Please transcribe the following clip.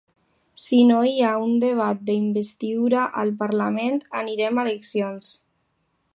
Si no hi ha un debat d’investidura al parlament, anirem a eleccions.